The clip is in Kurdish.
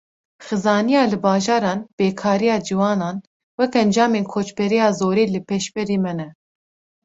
Xizaniya li bajaran, bêkariya ciwanan, wek encamên koçberiya zorî li pêşberî me ne